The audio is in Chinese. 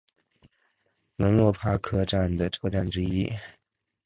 门洛帕克站的车站之一。